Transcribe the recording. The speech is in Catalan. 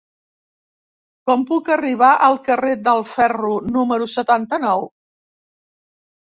Com puc arribar al carrer del Ferro número setanta-nou?